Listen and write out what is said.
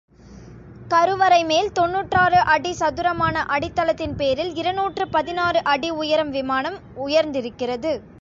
கருவறை மேல் தொன்னூற்றாறு அடி சதுரமான அடித்தளத்தின் பேரில் இருநூற்று பதினாறு அடி உயரம் விமானம் உயர்ந்திருக்கிறது.